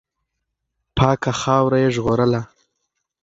پاکه خاوره یې ژغورله.